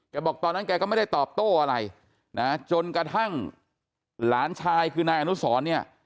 บอกตอนนั้นแกก็ไม่ได้ตอบโต้อะไรนะจนกระทั่งหลานชายคือนายอนุสรเนี่ย